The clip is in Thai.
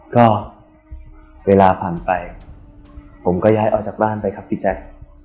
ก็เวลาผ่านไปผมก็ย้ายออกจากบ้านไปครับพี่แจ๊ค